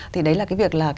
thì đấy là cái việc là